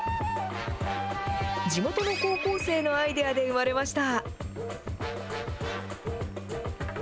地元の高校生のアイデアで生まれました。